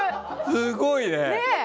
すごいね！